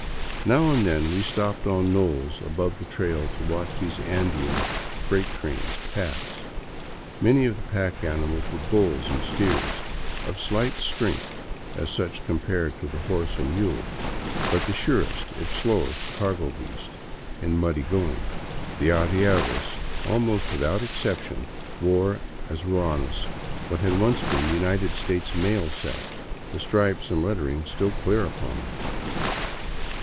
Now and then we stopped on knolls above the trail to watch these Andean freight trains pass. Many of the pack animals were bulls and steers, of slight strength as such compared to the horse or mule, but the surest, if slowest, cargo beast in muddy going. The arrieros, almost without exception, wore as ruanas what had once been United States mall sacks, the stripes and lettering still clear upon them.